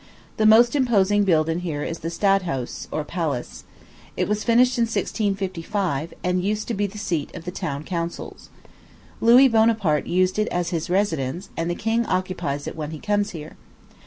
The most imposing building here is the Stadhuis, or Palace. It was finished in 1655, and used to be the seat of the town councils. Louis Bonaparte used it as his residence; and the king occupies it when he comes here.